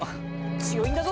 強いんだぞ！